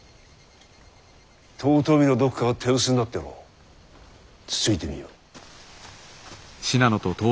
遠江のどこかが手薄になっておろうつついてみよ。